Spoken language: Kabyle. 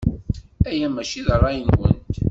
Aya maci d ṛṛay-nwent.